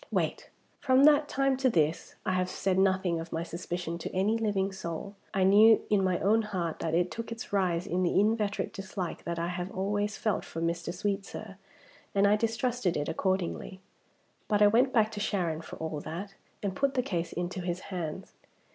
Wait! From that time to this I have said nothing of my suspicion to any living soul. I knew in my own heart that it took its rise in the inveterate dislike that I have always felt for Mr. Sweetsir, and I distrusted it accordingly. But I went back to Sharon, for all that, and put the case into his hands.